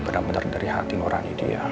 benar benar dari hati nurhani dia